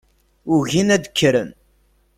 Ugin ad kkren.